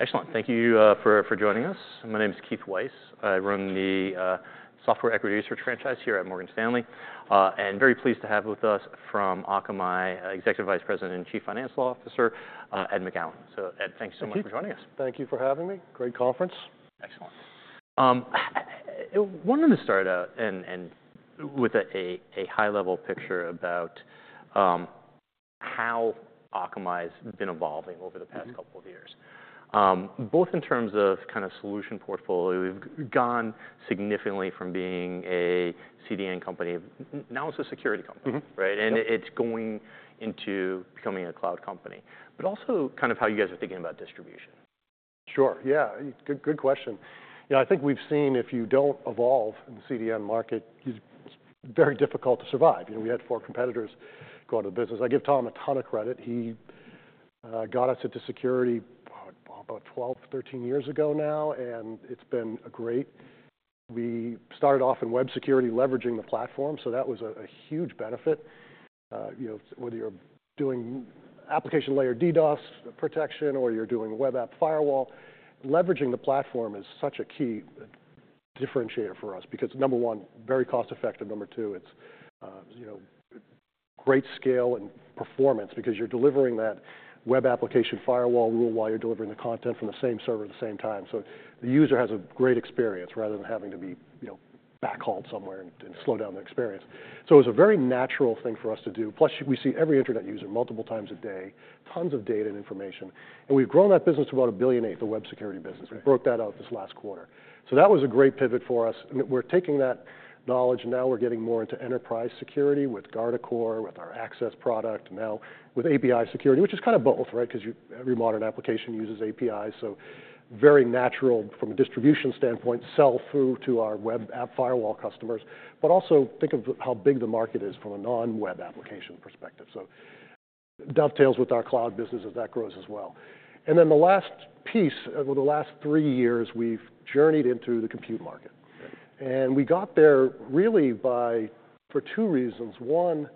Excellent. Thank you for joining us. My name is Keith Weiss. I run the Software Equity Research franchise here at Morgan Stanley, and very pleased to have with us from Akamai, Executive Vice President and Chief Financial Officer, Ed McGowan. So Ed, thank you so much for joining us. Thank you for having me. Great conference. Excellent. Wanted to start out with a high-level picture about how Akamai's been evolving over the past couple of years, both in terms of kind of solution portfolio. We've gone significantly from being a CDN company. Now it's a security company, right, and it's going into becoming a cloud company, but also kind of how you guys are thinking about distribution. Sure. Yeah. Good question. I think we've seen if you don't evolve in the CDN market, it's very difficult to survive. We had four competitors go out of the business. I give Tom a ton of credit. He got us into security about 12, 13 years ago now, and it's been great. We started off in web security leveraging the platform, so that was a huge benefit. Whether you're doing application layer DDoS protection or you're doing web app firewall, leveraging the platform is such a key differentiator for us because, number one, very cost-effective. Number two, it's great scale and performance because you're delivering that web application firewall rule while you're delivering the content from the same server at the same time. So the user has a great experience rather than having to be backhauled somewhere and slow down the experience. So it was a very natural thing for us to do. Plus, we see every internet user multiple times a day, tons of data and information. And we've grown that business to about $1.8 billion, the web security business. We broke that out this last quarter. So that was a great pivot for us. We're taking that knowledge, and now we're getting more into enterprise security with Guardicore, with our access product, now with API security, which is kind of both, right? Because every modern application uses APIs. So very natural from a distribution standpoint, sell through to our web app firewall customers. But also think of how big the market is from a non-web application perspective. So dovetails with our cloud business as that grows as well. And then the last piece, over the last three years, we've journeyed into the compute market. We got there really for two reasons. One,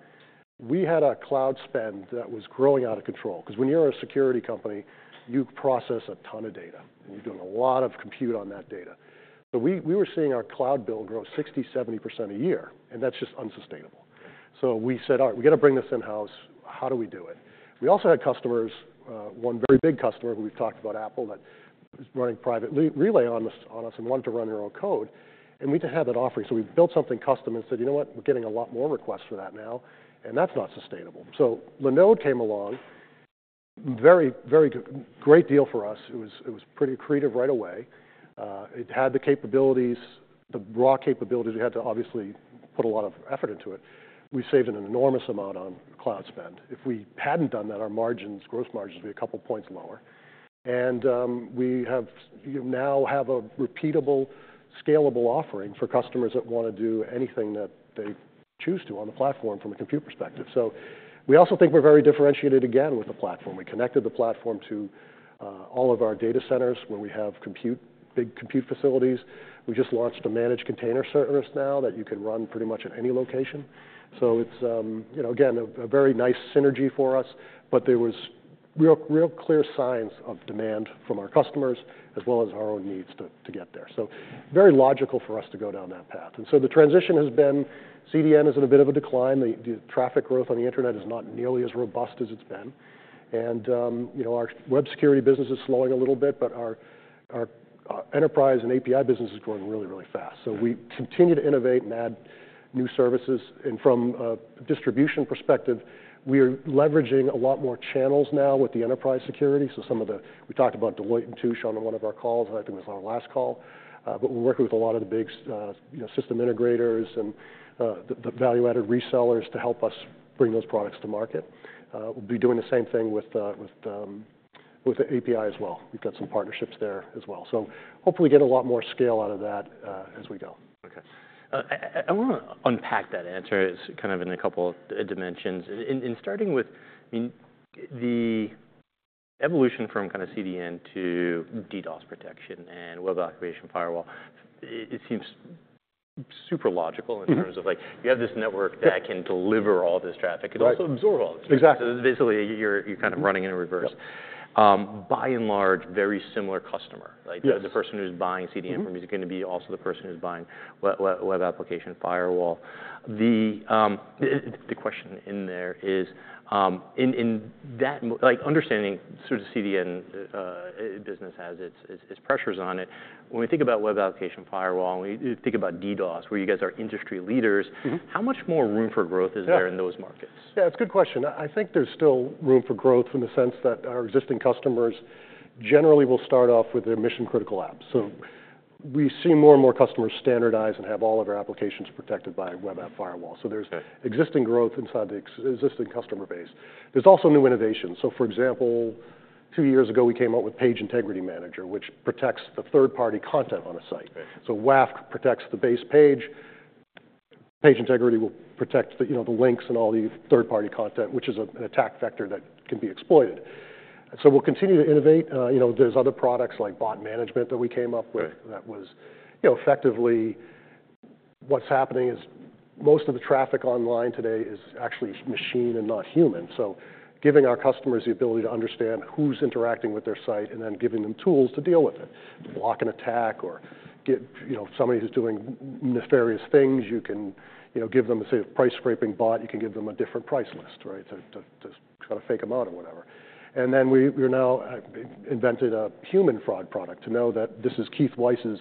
we had a cloud spend that was growing out of control. Because when you're a security company, you process a ton of data, and you're doing a lot of compute on that data. So we were seeing our cloud bill grow 60%-70% a year, and that's just unsustainable. So we said, "All right, we've got to bring this in-house. How do we do it?" We also had customers, one very big customer who we've talked about, Apple, that was running Private Relay on us and wanted to run their own code. And we didn't have that offering. So we built something custom and said, "You know what? We're getting a lot more requests for that now, and that's not sustainable." So Linode came along, very great deal for us. It was pretty accretive right away. It had the capabilities, the raw capabilities. We had to obviously put a lot of effort into it. We saved an enormous amount on cloud spend. If we hadn't done that, our margins, gross margins would be a couple of points lower, and we now have a repeatable, scalable offering for customers that want to do anything that they choose to on the platform from a compute perspective, so we also think we're very differentiated again with the platform. We connected the platform to all of our data centers where we have big compute facilities. We just launched a managed container service now that you can run pretty much at any location, so it's, again, a very nice synergy for us, but there were real clear signs of demand from our customers as well as our own needs to get there. So very logical for us to go down that path. And so the transition has been. CDN is in a bit of a decline. The traffic growth on the internet is not nearly as robust as it's been. And our web security business is slowing a little bit, but our enterprise and API business is growing really, really fast. So we continue to innovate and add new services. And from a distribution perspective, we are leveraging a lot more channels now with the enterprise security. So, some of the SIs we talked about, Deloitte & Touche, on one of our calls, and I think it was our last call. But we're working with a lot of the big system integrators and the value-added resellers to help us bring those products to market. We'll be doing the same thing with API as well. We've got some partnerships there as well. So hopefully get a lot more scale out of that as we go. Okay. I want to unpack that answer kind of in a couple of dimensions. And starting with the evolution from kind of CDN to DDoS protection and web application firewall, it seems super logical in terms of you have this network that can deliver all this traffic. It also absorbs all this traffic. Exactly. So basically you're kind of running in reverse. By and large, very similar customer. The person who's buying CDN from is going to be also the person who's buying web application firewall. The question in there is, in that understanding sort of CDN business has its pressures on it, when we think about web application firewall and we think about DDoS, where you guys are industry leaders, how much more room for growth is there in those markets? Yeah, that's a good question. I think there's still room for growth in the sense that our existing customers generally will start off with their mission-critical apps. So we see more and more customers standardize and have all of our applications protected by web app firewall. So there's existing growth inside the existing customer base. There's also new innovations. So for example, two years ago we came out with Page Integrity Manager, which protects the third-party content on a site. So WAF protects the base page. Page Integrity will protect the links and all the third-party content, which is an attack vector that can be exploited. So we'll continue to innovate. There's other products like bot management that we came out with that was effectively what's happening is most of the traffic online today is actually machine and not human. So, giving our customers the ability to understand who's interacting with their site and then giving them tools to deal with it. Block an attack or get somebody who's doing nefarious things, you can give them a price-scraping bot. You can give them a different price list, right, to try to fake them out or whatever. And then we've now invented a human fraud product to know that this is Keith Weiss's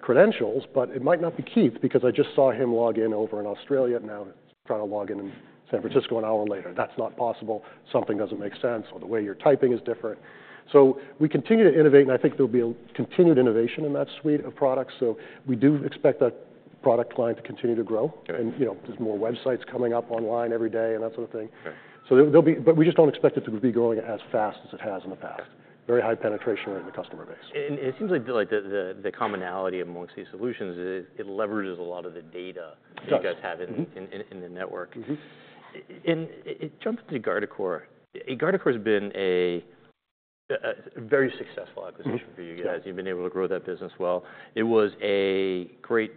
credentials, but it might not be Keith because I just saw him log in over in Australia and now trying to log in in San Francisco an hour later. That's not possible. Something doesn't make sense or the way you're typing is different. So we continue to innovate, and I think there'll be continued innovation in that suite of products. So we do expect that product line to continue to grow. There's more websites coming up online every day and that sort of thing. We just don't expect it to be growing as fast as it has in the past. Very high penetration in the customer base. It seems like the commonality among these solutions is it leverages a lot of the data you guys have in the network. Jumping to Guardicore, Guardicore has been a very successful acquisition for you guys. You've been able to grow that business well. It was a great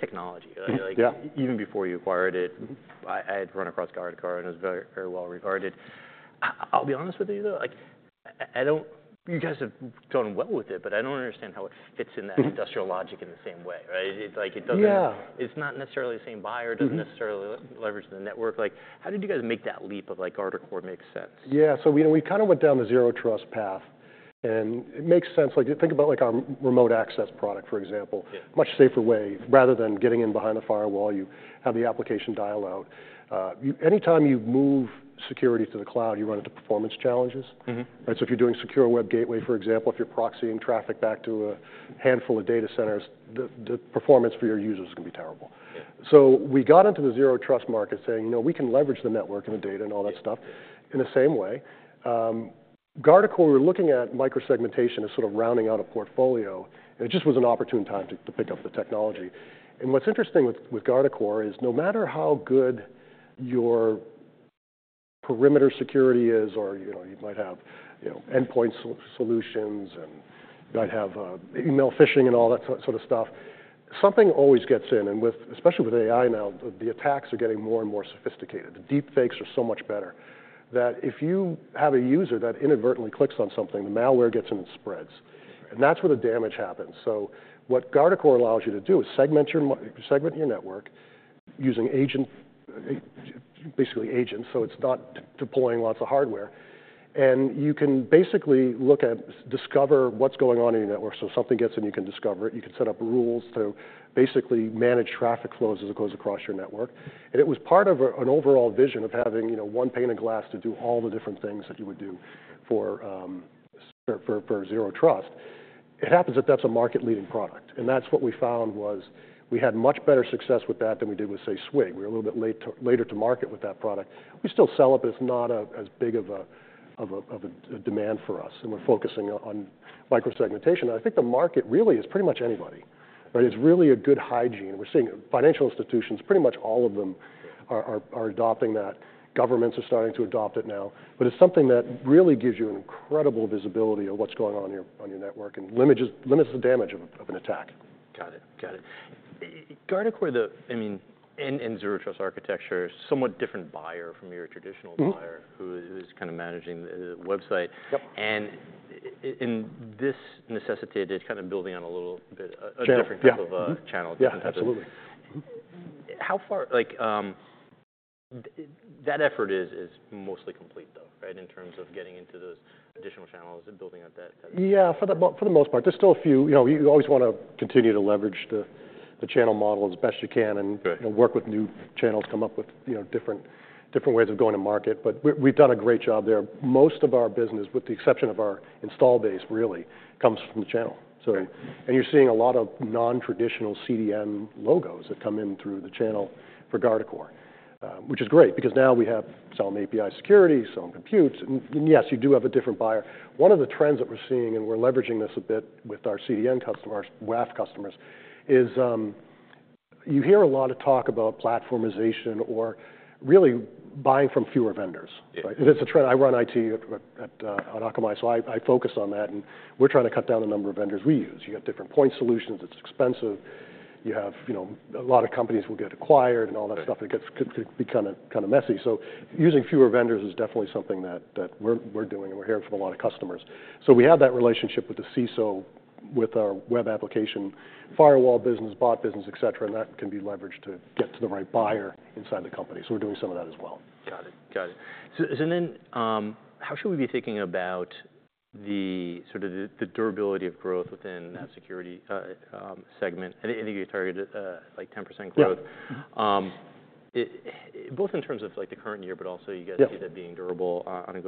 technology. Even before you acquired it, I had run across Guardicore, and it was very well regarded. I'll be honest with you, though, you guys have done well with it, but I don't understand how it fits in that industrial logic in the same way. It's not necessarily the same buyer, doesn't necessarily leverage the network. How did you guys make that leap of Guardicore makes sense? Yeah. So we kind of went down the Zero Trust path, and it makes sense. Think about our remote access product, for example, much safer way. Rather than getting in behind the firewall, you have the application dial out. Anytime you move security to the cloud, you run into performance challenges. So if you're doing secure web gateway, for example, if you're proxying traffic back to a handful of data centers, the performance for your users is going to be terrible. So we got into the Zero Trust market saying, "We can leverage the network and the data and all that stuff in the same way." Guardicore, we were looking at microsegmentation as sort of rounding out a portfolio. It just was an opportune time to pick up the technology. What's interesting with Guardicore is no matter how good your perimeter security is, or you might have endpoint solutions and you might have email phishing and all that sort of stuff, something always gets in. And especially with AI now, the attacks are getting more and more sophisticated. The deepfakes are so much better that if you have a user that inadvertently clicks on something, the malware gets in and spreads. And that's where the damage happens. So what Guardicore allows you to do is segment your network using basically agents, so it's not deploying lots of hardware. And you can basically look at, discover what's going on in your network. So something gets in, you can discover it. You can set up rules to basically manage traffic flows as it goes across your network. It was part of an overall vision of having one pane of glass to do all the different things that you would do for Zero Trust. It happens that that's a market-leading product. And that's what we found was we had much better success with that than we did with, say, SWG. We were a little bit later to market with that product. We still sell it, but it's not as big of a demand for us. And we're focusing on microsegmentation. I think the market really is pretty much anybody. It's really a good hygiene. We're seeing financial institutions, pretty much all of them are adopting that. Governments are starting to adopt it now. But it's something that really gives you an incredible visibility of what's going on in your network and limits the damage of an attack. Got it. Got it. Guardicore, I mean, end-to-end Zero Trust architecture, somewhat different buyer from your traditional buyer who is kind of managing the website, and this necessitated kind of building on a little bit a different type of channel. Yeah, absolutely. That effort is mostly complete, though, in terms of getting into those additional channels and building out that. Yeah, for the most part. There's still a few. You always want to continue to leverage the channel model as best you can and work with new channels, come up with different ways of going to market. But we've done a great job there. Most of our business, with the exception of our install base, really comes from the channel. And you're seeing a lot of non-traditional CDN logos that come in through the channel for Guardicore, which is great because now we have some API security, some compute. And yes, you do have a different buyer. One of the trends that we're seeing, and we're leveraging this a bit with our CDN customers, WAF customers, is you hear a lot of talk about platformization or really buying from fewer vendors. I run IT at Akamai, so I focus on that. We're trying to cut down the number of vendors we use. You have different point solutions. It's expensive. A lot of companies will get acquired and all that stuff. It gets kind of messy. Using fewer vendors is definitely something that we're doing, and we're hearing from a lot of customers. We have that relationship with the CISO, with our web application firewall business, bot business, et cetera. That can be leveraged to get to the right buyer inside the company. We're doing some of that as well. Got it. Got it. So then how should we be thinking about the durability of growth within that security segment? I think you targeted 10% growth, both in terms of the current year, but also you guys see that being durable on a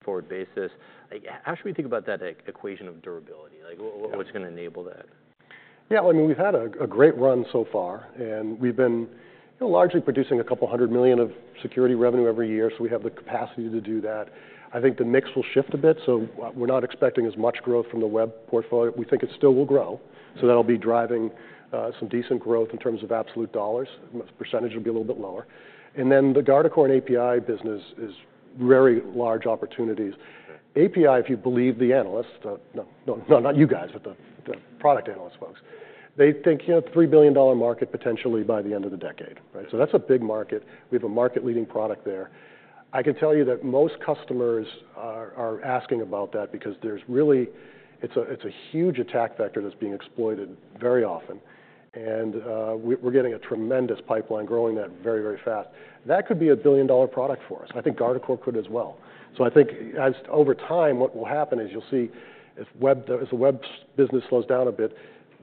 go-forward basis. How should we think about that equation of durability? What's going to enable that? Yeah. I mean, we've had a great run so far. And we've been largely producing a couple hundred million of security revenue every year, so we have the capacity to do that. I think the mix will shift a bit. So we're not expecting as much growth from the web portfolio. We think it still will grow. So that'll be driving some decent growth in terms of absolute dollars. The percentage will be a little bit lower. And then the Guardicore and API business is very large opportunities. API, if you believe the analysts, not you guys, but the product analyst folks, they think $3 billion market potentially by the end of the decade. So that's a big market. We have a market-leading product there. I can tell you that most customers are asking about that because it's a huge attack vector that's being exploited very often. And we're getting a tremendous pipeline growing that very, very fast. That could be a billion-dollar product for us. I think Guardicore could as well. So I think over time, what will happen is you'll see as the web business slows down a bit,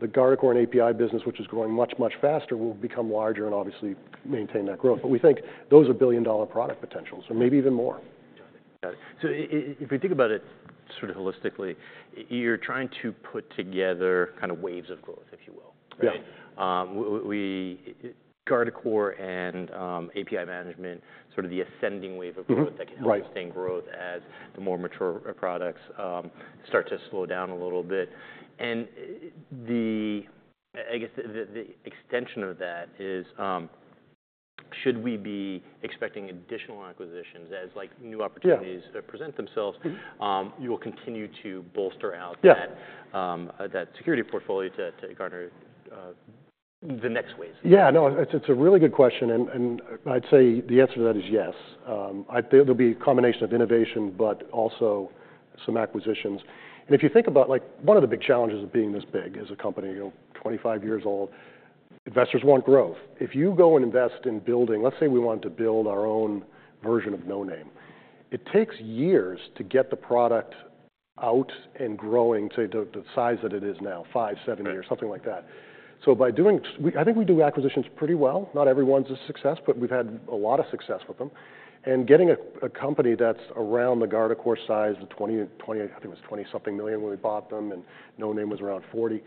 the Guardicore and API business, which is growing much, much faster, will become larger and obviously maintain that growth. But we think those are billion-dollar product potentials, or maybe even more. Got it. So if we think about it sort of holistically, you're trying to put together kind of waves of growth, if you will. Guardicore and API management, sort of the ascending wave of growth that can help sustain growth as the more mature products start to slow down a little bit. And I guess the extension of that is, should we be expecting additional acquisitions as new opportunities present themselves, you will continue to bolster out that security portfolio to garner the next waves? Yeah. No, it's a really good question, and I'd say the answer to that is yes. There'll be a combination of innovation, but also some acquisitions, and if you think about one of the big challenges of being this big as a company, 25 years old, investors want growth. If you go and invest in building, let's say we want to build our own version of Noname, it takes years to get the product out and growing to the size that it is now, five, seven years, something like that. So I think we do acquisitions pretty well. Not every one's a success, but we've had a lot of success with them. And getting a company that's around the Guardicore size of 20, I think it was 20-something million when we bought them and Noname was around $40 million,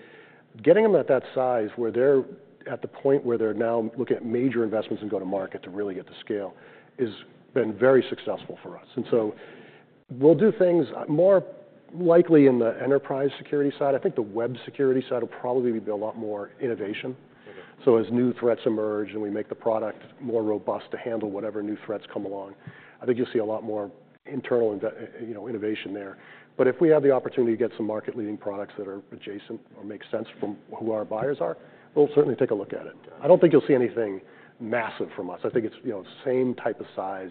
getting them at that size where they're at the point where they're now looking at major investments and go to market to really get to scale has been very successful for us. And so we'll do things more likely in the enterprise security side. I think the web security side will probably be a lot more innovation. So as new threats emerge and we make the product more robust to handle whatever new threats come along, I think you'll see a lot more internal innovation there. But if we have the opportunity to get some market-leading products that are adjacent or make sense from who our buyers are, we'll certainly take a look at it. I don't think you'll see anything massive from us. I think it's the same type of size,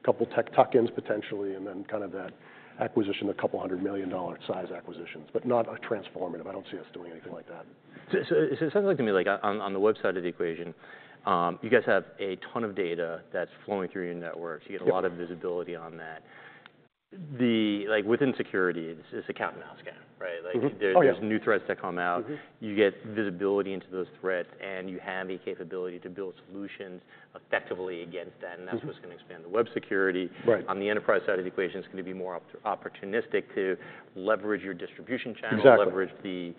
a couple tech tuck-ins potentially, and then kind of that acquisition, a couple of million dollars size acquisitions, but not transformative. I don't see us doing anything like that. So it sounds like to me, on the web side of the equation, you guys have a ton of data that's flowing through your networks. You get a lot of visibility on that. Within security, it's the cat and mouse game. There's new threats that come out. You get visibility into those threats, and you have the capability to build solutions effectively against that. And that's what's going to expand the web security. On the enterprise side of the equation, it's going to be more opportunistic to leverage your distribution channels, leverage the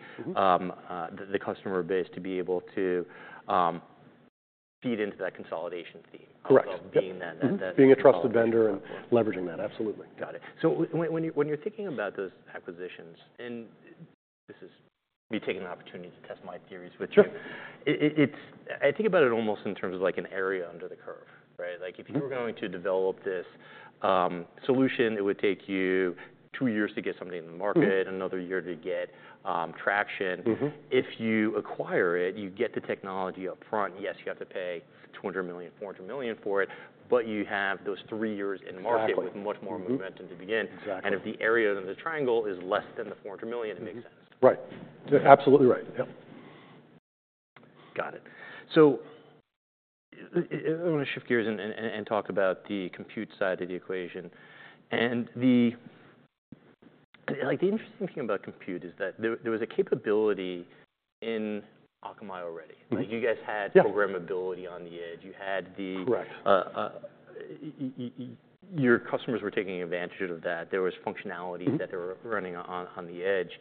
customer base to be able to feed into that consolidation theme. Correct. Being a trusted vendor and leveraging that, absolutely. Got it. So when you're thinking about those acquisitions, and this is me taking the opportunity to test my theories with you, I think about it almost in terms of an area under the curve. If you were going to develop this solution, it would take you two years to get something in the market, another year to get traction. If you acquire it, you get the technology upfront. Yes, you have to pay $200 million, $400 million for it, but you have those three years in market with much more momentum to begin. And if the area in the triangle is less than the $400 million, it makes sense. Right. Absolutely right. Yep. Got it, so I want to shift gears and talk about the compute side of the equation, and the interesting thing about compute is that there was a capability in Akamai already. You guys had programmability on the edge. Your customers were taking advantage of that. There was functionality that they were running on the edge.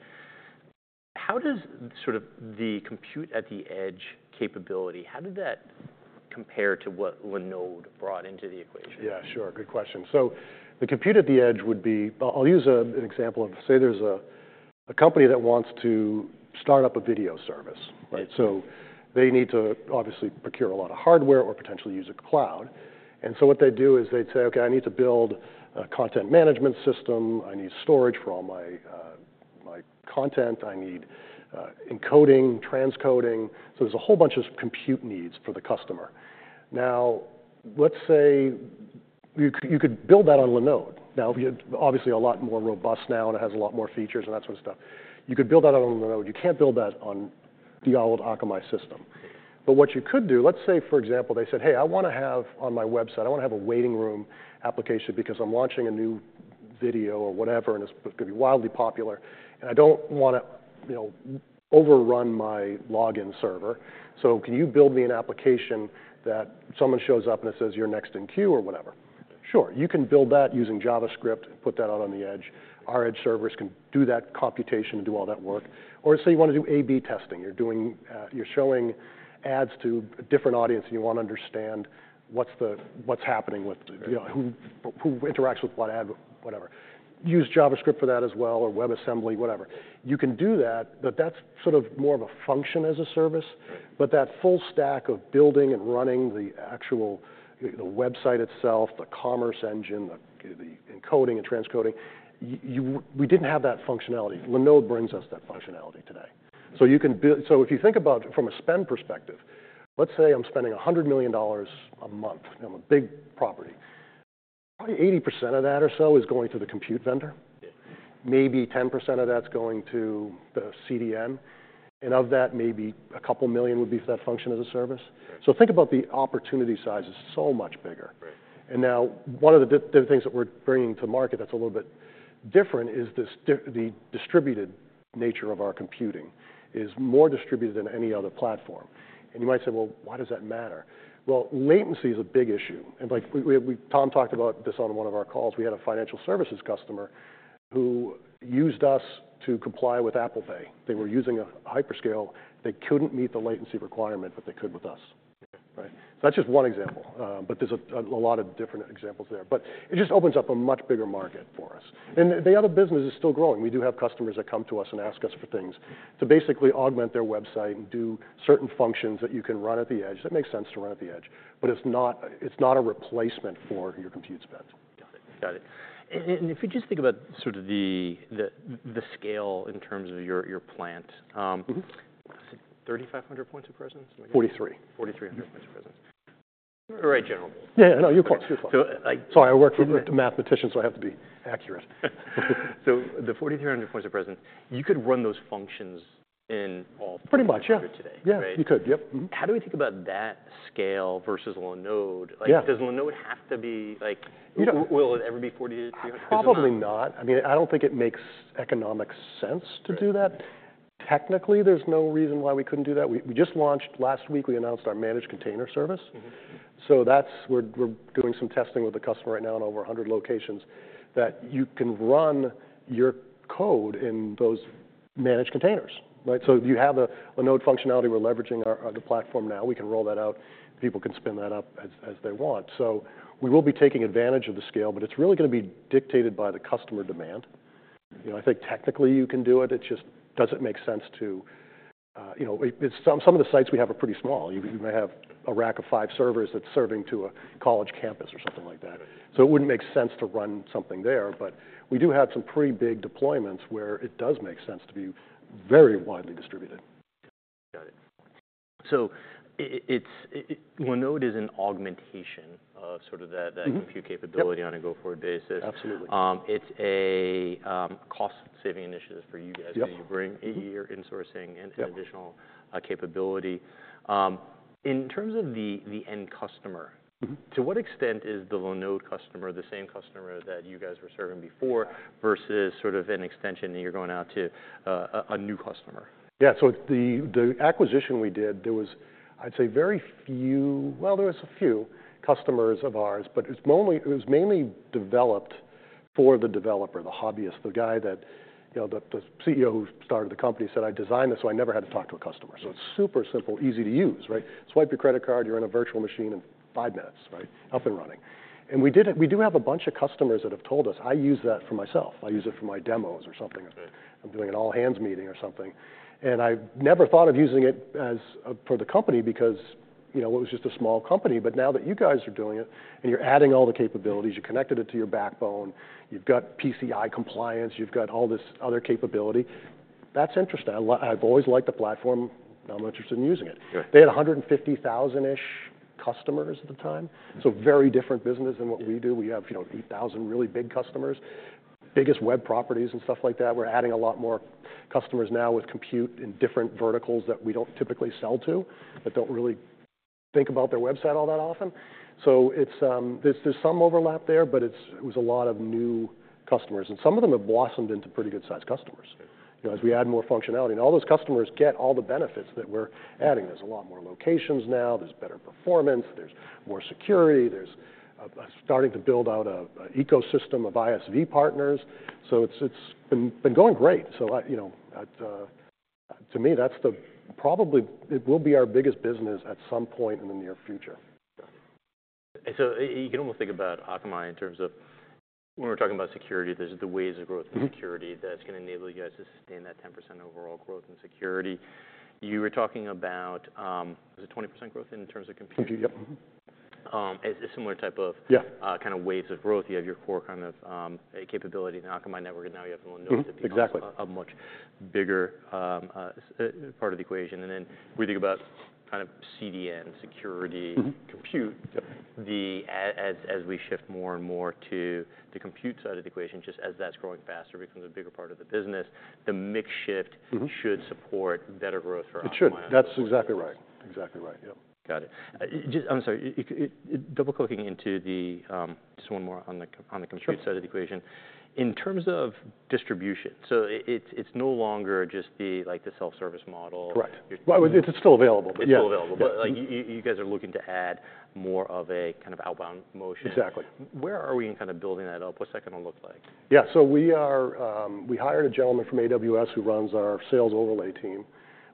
How does sort of the compute at the edge capability, how did that compare to what Linode brought into the equation? Yeah, sure. Good question. So the compute at the edge would be. I'll use an example of, say there's a company that wants to start up a video service. So they need to obviously procure a lot of hardware or potentially use a cloud. And so what they do is they'd say, "Okay, I need to build a content management system. I need storage for all my content. I need encoding, transcoding." So there's a whole bunch of compute needs for the customer. Now, let's say you could build that on Linode. Now, obviously, a lot more robust now, and it has a lot more features and that sort of stuff. You could build that on Linode. You can't build that on the old Akamai system. But what you could do, let's say, for example, they said, "Hey, I want to have on my website, I want to have a waiting room application because I'm launching a new video or whatever, and it's going to be wildly popular. And I don't want to overrun my login server. So can you build me an application that someone shows up and it says, 'You're next in queue' or whatever?" Sure. You can build that using JavaScript and put that out on the edge. Our edge servers can do that computation and do all that work. Or say you want to do A/B testing. You're showing ads to a different audience, and you want to understand what's happening with who interacts with what ad, whatever. Use JavaScript for that as well, or WebAssembly, whatever. You can do that, but that's sort of more of a function as a service. But that full stack of building and running the actual website itself, the commerce engine, the encoding and transcoding, we didn't have that functionality. Linode brings us that functionality today. So if you think about it from a spend perspective, let's say I'm spending $100 million a month. I'm a big property. Probably 80% of that or so is going to the compute vendor. Maybe 10% of that's going to the CDN. And of that, maybe a couple million would be for that function as a service. So think about the opportunity size is so much bigger. And now, one of the things that we're bringing to market that's a little bit different is the distributed nature of our computing is more distributed than any other platform. And you might say, "Well, why does that matter?" Well, latency is a big issue. And Tom talked about this on one of our calls. We had a financial services customer who used us to comply with Apple Pay. They were using a hyperscaler. They couldn't meet the latency requirement, but they could with us. So that's just one example. But there's a lot of different examples there. But it just opens up a much bigger market for us. And the other business is still growing. We do have customers that come to us and ask us for things to basically augment their website and do certain functions that you can run at the edge. That makes sense to run at the edge. But it's not a replacement for your compute spend. Got it. Got it. And if we just think about sort of the scale in terms of your platform, is it 3,500 points of presence? 4,300. 4,300 points of presence. All right, general. Yeah, no, you're close. You're close. Sorry, I work for mathematicians, so I have to be accurate. So the 4,300 points of presence, you could run those functions in all three of you today. Pretty much, yeah. You could, yep. How do we think about that scale versus Linode? Does Linode have to be? Will it ever be 4,300 points of presence? Probably not. I mean, I don't think it makes economic sense to do that. Technically, there's no reason why we couldn't do that. We just launched last week. We announced our Managed Container Service. So we're doing some testing with the customer right now in over 100 locations that you can run your code in those managed containers. So you have a Linode functionality. We're leveraging the platform now. We can roll that out. People can spin that up as they want. So we will be taking advantage of the scale, but it's really going to be dictated by the customer demand. I think technically you can do it. It just doesn't make sense to some of the sites we have, are pretty small. You may have a rack of five servers that's serving to a college campus or something like that. So it wouldn't make sense to run something there. But we do have some pretty big deployments where it does make sense to be very widely distributed. Got it. So Linode is an augmentation of sort of that compute capability on a go-forward basis. Absolutely. It's a cost-saving initiative for you guys that you bring in your insourcing and additional capability. In terms of the end customer, to what extent is the Linode customer the same customer that you guys were serving before versus sort of an extension that you're going out to a new customer? Yeah. So the acquisition we did, there was, I'd say, very few, well, there was a few customers of ours, but it was mainly developed for the developer, the hobbyist, the guy that the CEO who started the company said, "I designed this, so I never had to talk to a customer." So it's super simple, easy to use. Swipe your credit card, you're in a virtual machine in five minutes, up and running. And we do have a bunch of customers that have told us, "I use that for myself. I use it for my demos or something. I'm doing an all-hands meeting or something." And I never thought of using it for the company because it was just a small company. But now that you guys are doing it and you're adding all the capabilities, you've connected it to your backbone, you've got PCI compliance, you've got all this other capability, that's interesting. I've always liked the platform. I'm interested in using it. They had 150,000-ish customers at the time. So very different business than what we do. We have 8,000 really big customers, biggest web properties and stuff like that. We're adding a lot more customers now with compute in different verticals that we don't typically sell to that don't really think about their website all that often. So there's some overlap there, but it was a lot of new customers. And some of them have blossomed into pretty good-sized customers as we add more functionality. And all those customers get all the benefits that we're adding. There's a lot more locations now. There's better performance. There's more security. There's starting to build out an ecosystem of ISV partners. So it's been going great. So to me, that's probably it will be our biggest business at some point in the near future. Got it. So you can almost think about Akamai in terms of when we're talking about security, there's the waves of growth in security that's going to enable you guys to sustain that 10% overall growth in security. You were talking about, was it 20% growth in terms of compute? Compute, yep. A similar type of waves of growth. You have your core kind of capability in the Akamai network, and now you have Linode to be a much bigger part of the equation, and then we think about kind of CDN, security, compute as we shift more and more to the compute side of the equation, just as that's growing faster becomes a bigger part of the business. The mix shift should support better growth for Akamai. It should. That's exactly right. Exactly right, yep. Got it. I'm sorry. Double-clicking into this, just one more on the compute side of the equation. In terms of distribution, so it's no longer just the self-service model. Correct. It's still available. But you guys are looking to add more of a kind of outbound motion. Exactly. Where are we in kind of building that up? What's that going to look like? Yeah. So we hired a gentleman from AWS who runs our sales overlay team.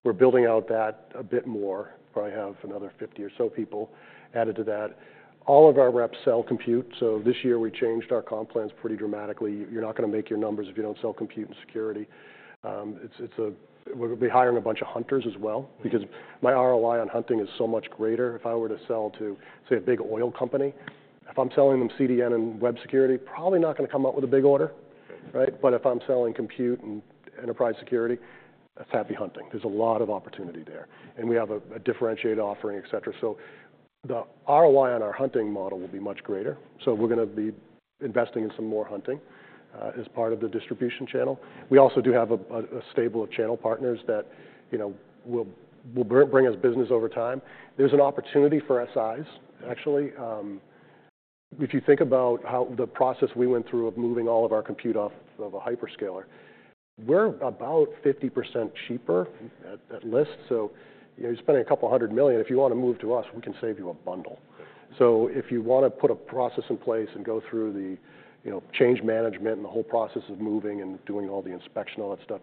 We're building out that a bit more. Probably have another 50 or so people added to that. All of our reps sell compute. So this year, we changed our comp plans pretty dramatically. You're not going to make your numbers if you don't sell compute and security. We'll be hiring a bunch of hunters as well because my ROI on hunting is so much greater. If I were to sell to, say, a big oil company, if I'm selling them CDN and web security, probably not going to come up with a big order. But if I'm selling compute and enterprise security, that's happy hunting. There's a lot of opportunity there. And we have a differentiated offering, etc. So the ROI on our hunting model will be much greater. We're going to be investing in some more hunting as part of the distribution channel. We also do have a stable of channel partners that will bring us business over time. There's an opportunity for SIs, actually. If you think about the process we went through of moving all of our compute off of a hyperscaler, we're about 50% cheaper at list. So you're spending $200 million. If you want to move to us, we can save you a bundle. So if you want to put a process in place and go through the change management and the whole process of moving and doing all the inspection, all that stuff,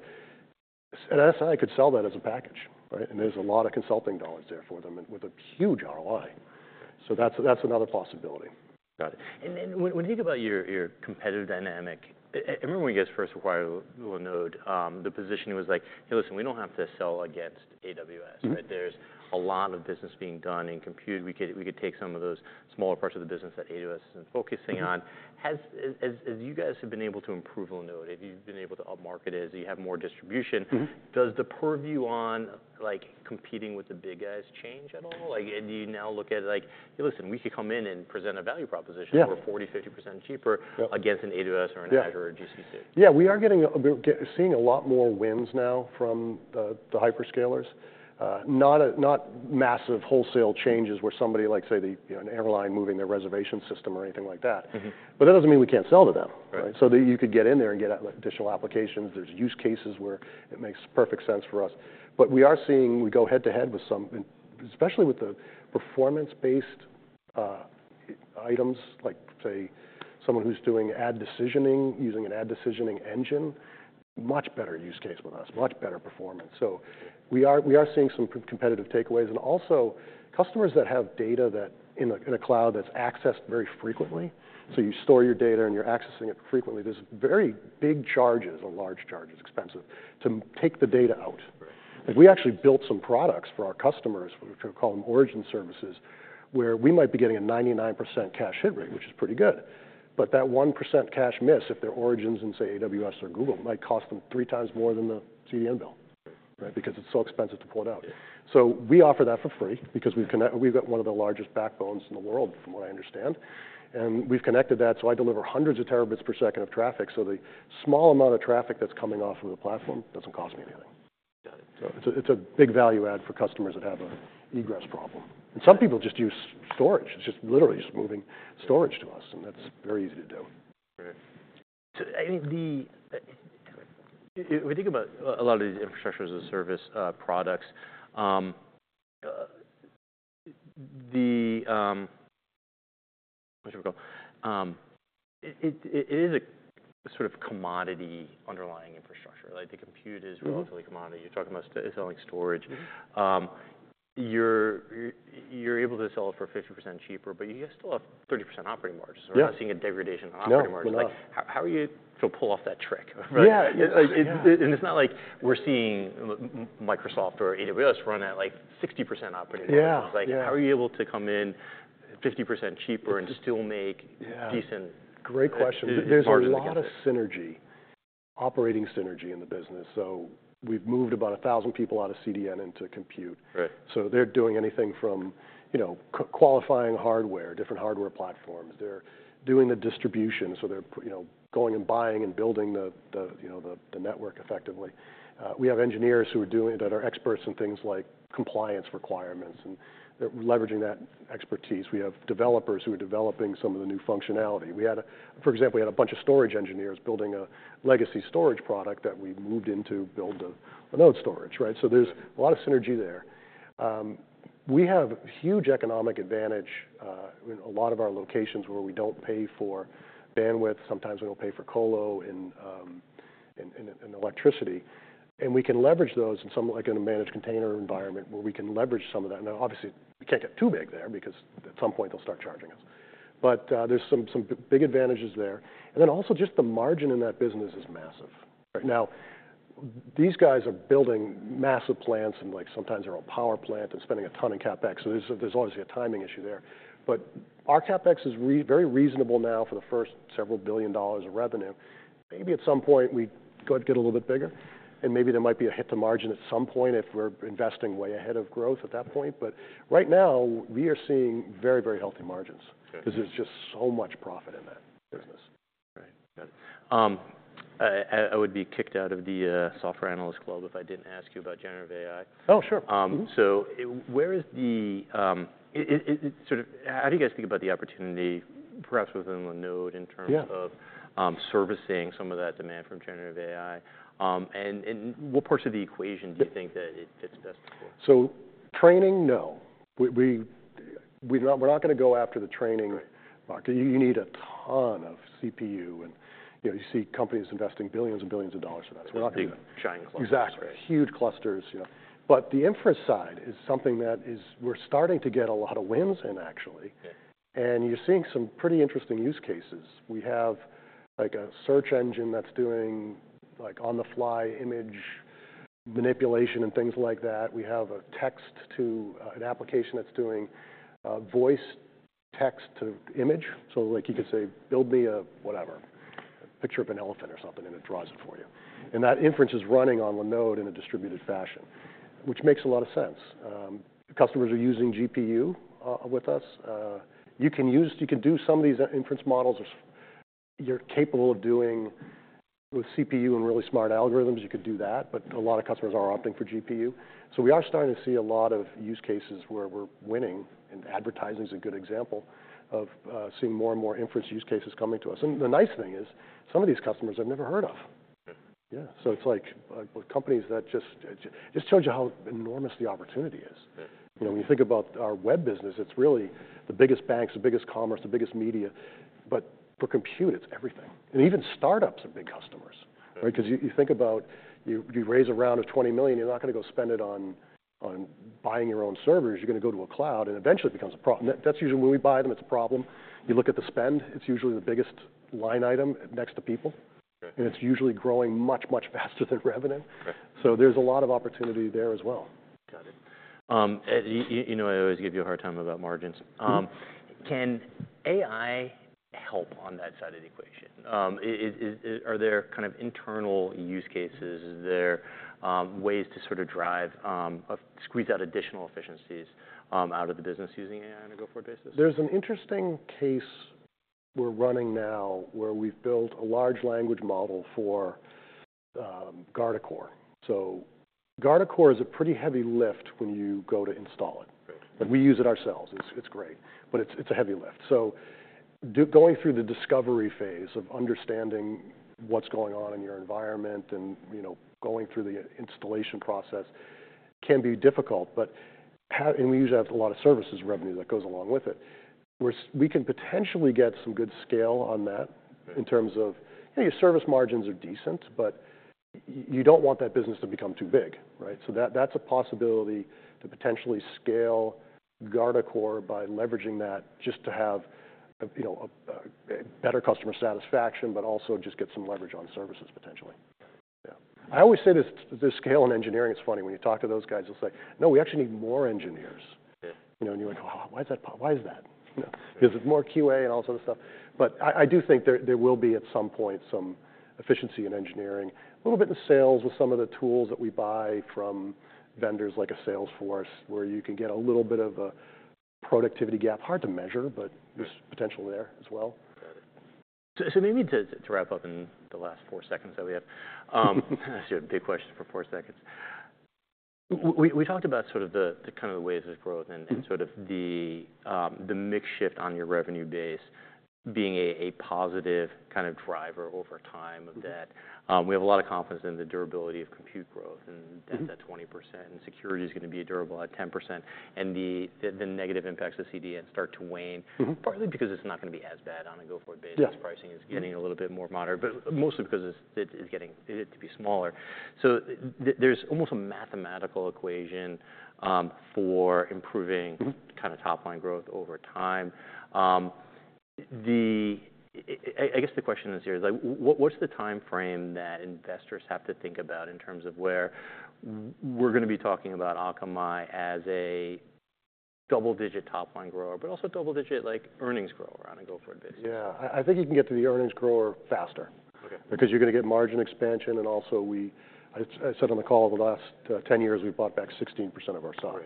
an SI could sell that as a package. And there's a lot of consulting dollars there for them with a huge ROI. So that's another possibility. Got it. And when you think about your competitive dynamic, I remember when you guys first acquired Linode, the position was like, "Hey, listen, we don't have to sell against AWS. There's a lot of business being done in compute. We could take some of those smaller parts of the business that AWS isn't focusing on." As you guys have been able to improve Linode, if you've been able to upmarket it, as you have more distribution, does the purview on competing with the big guys change at all? Do you now look at it like, "Hey, listen, we could come in and present a value proposition. We're 40%-50% cheaper against an AWS or an Azure or a GCP? Yeah, we are seeing a lot more wins now from the hyperscalers, not massive wholesale changes where somebody, say, an airline moving their reservation system or anything like that, but that doesn't mean we can't sell to them, so you could get in there and get additional applications. There's use cases where it makes perfect sense for us, but we are seeing we go head to head with some, especially with the performance-based items, like say, someone who's doing ad decisioning using an ad decisioning engine, much better use case with us, much better performance, so we are seeing some competitive takeaways, and also, customers that have data in a cloud that's accessed very frequently, so you store your data and you're accessing it frequently, there's very big charges, large charges, expensive to take the data out. We actually built some products for our customers, which we call them origin services, where we might be getting a 99% cache hit rate, which is pretty good, but that 1% cache miss if they're origins in, say, AWS or Google might cost them three times more than the CDN bill because it's so expensive to pull it out, so we offer that for free because we've got one of the largest backbones in the world, from what I understand, and we've connected that, so I deliver hundreds of terabits per second of traffic, so the small amount of traffic that's coming off of the platform doesn't cost me anything, so it's a big value add for customers that have an egress problem, and some people just use storage. It's just literally moving storage to us, and that's very easy to do. Right. If we think about a lot of these infrastructures as a service products, it is a sort of commodity underlying infrastructure. The compute is relatively commodity. You're talking about selling storage. You're able to sell it for 50% cheaper, but you still have 30% operating margins. We're not seeing a degradation in operating margins. How are you going to pull off that trick? And it's not like we're seeing Microsoft or AWS run at 60% operating margins. How are you able to come in 50% cheaper and still make decent margins? Great question. There's a lot of synergy, operating synergy in the business. So we've moved about 1,000 people out of CDN into compute. So they're doing anything from qualifying hardware, different hardware platforms. They're doing the distribution. So they're going and buying and building the network effectively. We have engineers who are doing that are experts in things like compliance requirements. And they're leveraging that expertise. We have developers who are developing some of the new functionality. For example, we had a bunch of storage engineers building a legacy storage product that we moved into to build Linode storage. So there's a lot of synergy there. We have a huge economic advantage in a lot of our locations where we don't pay for bandwidth. Sometimes we don't pay for colo and electricity. And we can leverage those in some managed container environment where we can leverage some of that. Now, obviously, we can't get too big there because at some point they'll start charging us. But there's some big advantages there. And then also just the margin in that business is massive. Now, these guys are building massive plants and sometimes they're all power plants and spending a ton in CapEx. So there's obviously a timing issue there. But our CapEx is very reasonable now for the first several billion dollars of revenue. Maybe at some point we could get a little bit bigger. And maybe there might be a hit to margin at some point if we're investing way ahead of growth at that point. But right now, we are seeing very, very healthy margins because there's just so much profit in that business. Right. I would be kicked out of the Software Analyst Club if I didn't ask you about generative AI. Oh, sure. So where is the sort of how do you guys think about the opportunity perhaps within Linode in terms of servicing some of that demand from generative AI? And what parts of the equation do you think that it fits best for? So training, no. We're not going to go after the training market. You need a ton of CPU. And you see companies investing billions and billions of dollars for that. So we're not going to. Big, giant clusters. Exactly. Huge clusters. But the inference side is something that we're starting to get a lot of wins in, actually. And you're seeing some pretty interesting use cases. We have a search engine that's doing on-the-fly image manipulation and things like that. We have a text-to-image application that's doing voice text to image. So you could say, "Build me a whatever, a picture of an elephant or something," and it draws it for you. And that inference is running on Linode in a distributed fashion, which makes a lot of sense. Customers are using GPU with us. You can do some of these inference models or you're capable of doing with CPU and really smart algorithms. You could do that. But a lot of customers are opting for GPU. So we are starting to see a lot of use cases where we're winning. Advertising is a good example of seeing more and more inference use cases coming to us. And the nice thing is some of these customers I've never heard of. Yeah. So it's like companies that just showed you how enormous the opportunity is. When you think about our web business, it's really the biggest banks, the biggest commerce, the biggest media. But for compute, it's everything. And even startups are big customers because you think about you raise a round of $20 million. You're not going to go spend it on buying your own servers. You're going to go to a cloud. And eventually, it becomes a problem. That's usually when we buy them. It's a problem. You look at the spend. It's usually the biggest line item next to people. And it's usually growing much, much faster than revenue. So there's a lot of opportunity there as well. Got it. I always give you a hard time about margins. Can AI help on that side of the equation? Are there kind of internal use cases? Is there ways to sort of drive, squeeze out additional efficiencies out of the business using AI on a go-forward basis? There's an interesting case we're running now where we've built a large language model for Guardicore. So Guardicore is a pretty heavy lift when you go to install it. We use it ourselves. It's great. But it's a heavy lift. So going through the discovery phase of understanding what's going on in your environment and going through the installation process can be difficult. And we usually have a lot of services revenue that goes along with it. We can potentially get some good scale on that in terms of your service margins are decent, but you don't want that business to become too big. So that's a possibility to potentially scale Guardicore by leveraging that just to have better customer satisfaction, but also just get some leverage on services potentially. Yeah. I always say this scale in engineering. It's funny. When you talk to those guys, they'll say, "No, we actually need more engineers," and you're like, "Why is that? Why is that?" Because of more QA and all sorts of stuff, but I do think there will be at some point some efficiency in engineering, a little bit in sales with some of the tools that we buy from vendors like Salesforce where you can get a little bit of a productivity gap. Hard to measure, but there's potential there as well. Got it. So maybe to wrap up in the last four seconds that we have, I asked you a big question for four seconds. We talked about sort of the kind of the ways of growth and sort of the mixed shift on your revenue base being a positive kind of driver over time of that. We have a lot of confidence in the durability of compute growth and that's at 20%. And security is going to be durable at 10%. And the negative impacts of CDN start to wane, partly because it's not going to be as bad on a go-forward basis. Pricing is getting a little bit more moderate, but mostly because it's getting to be smaller. So there's almost a mathematical equation for improving kind of top-line growth over time. I guess the question is here, what's the time frame that investors have to think about in terms of where we're going to be talking about Akamai as a double-digit top-line grower, but also double-digit earnings grower on a go-forward basis? Yeah. I think you can get to the earnings grower faster because you're going to get margin expansion, and also, I said on the call, over the last 10 years, we've bought back 16% of our stock,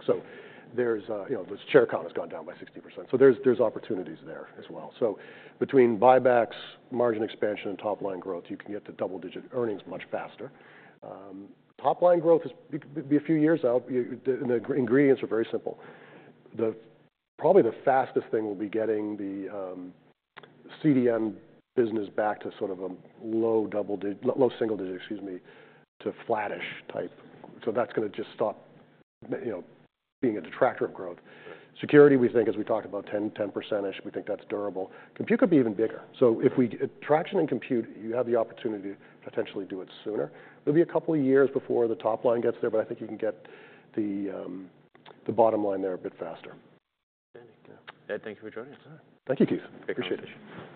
so the share count has gone down by 60%, so there's opportunities there as well, so between buybacks, margin expansion, and top-line growth, you can get to double-digit earnings much faster. Top-line growth is a few years out. The ingredients are very simple. Probably the fastest thing will be getting the CDN business back to sort of a low single digit, excuse me, to flattish type. So that's going to just stop being a detractor of growth. Security, we think, as we talked about, 10%-ish. We think that's durable. Compute could be even bigger. So if we traction in compute, you have the opportunity to potentially do it sooner. There'll be a couple of years before the top line gets there. But I think you can get the bottom line there a bit faster. Ed, thanks for joining us. Thank you, Keith. Appreciate it.